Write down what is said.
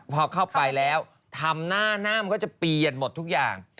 พอเข้าไปแล้วทำหน้าหน้ามันก็จะเปลี่ยนหมดทุกอย่าง